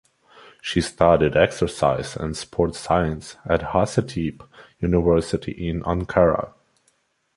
She studied Exercise and Sport Science at Hacettepe University in Ankara.